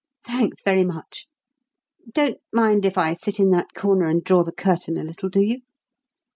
Thanks very much. Don't mind if I sit in that corner and draw the curtain a little, do you?"